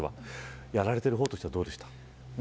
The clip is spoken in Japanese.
やられてるほうとしてはどうでしたか。